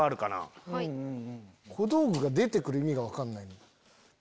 小道具が出て来る意味が分かんない。